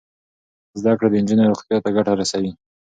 زده کړه د نجونو روغتیا ته ګټه رسوي.